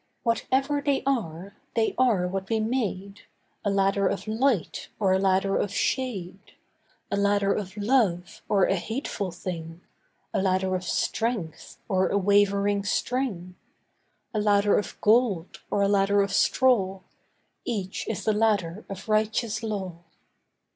Whatever they are—they are what we made: A ladder of light, or a ladder of shade, A ladder of love, or a hateful thing, A ladder of strength, or a wavering string. A ladder of gold, or a ladder of straw, Each is the ladder of righteous law.